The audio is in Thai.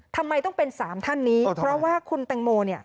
ทำไมต้องเป็นสามท่านนี้เพราะว่าคุณแตงโมเนี่ย